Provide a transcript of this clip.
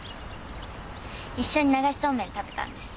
一緒に流しそうめん食べたんです。